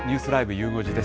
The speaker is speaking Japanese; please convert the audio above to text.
ゆう５時です。